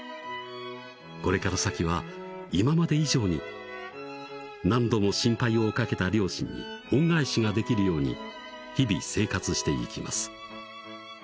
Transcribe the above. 「これから先は今まで以上に何度も心配をかけた両親に恩返しが出来る様に日々生活していきます」